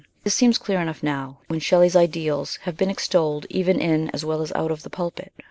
This seems clear enough now, when Shelley's ideas have been extolled even in as well as out of the pulpit.